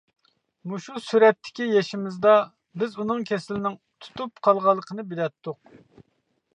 مۇشۇ سۈرەتتىكى يېشىمىزدا، بىز ئۇنىڭ كېسىلىنىڭ تۇتۇپ قالغانلىقىنى بىلەتتۇق.